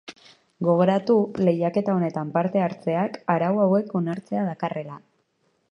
Gogoratu lehiaketa honetan parte hartzeak arau hauek onartzea dakarrela.